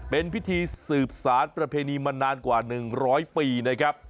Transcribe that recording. เป็นพิธีสืบสารประเพณีมานานกว่า๑๐๐ปีนะครับ